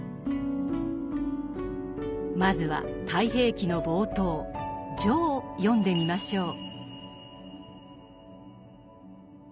まずは「太平記」の冒頭「序」を読んでみましょう。